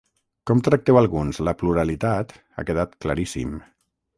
Com tracteu alguns la pluralitat ha quedat claríssim.